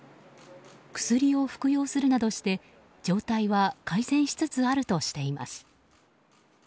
薬を服用するなどして、状態は改善しつつあるとしています。